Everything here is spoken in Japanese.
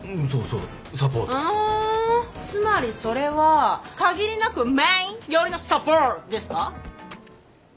うんつまりそれは限りなくメイン寄りのサポートですか？